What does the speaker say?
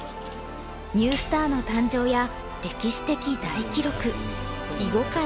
ニュースターの誕生や歴史的大記録囲碁界の事件など。